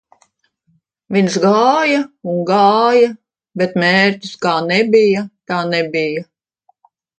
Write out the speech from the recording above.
Viņš gāja un gāja, bet mērķis kā nebija tā nebija